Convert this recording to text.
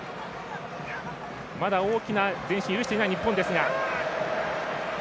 まだ大きな前進を許していない日本ですが。